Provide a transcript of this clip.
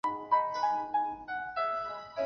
辛毗后来跟随曹操。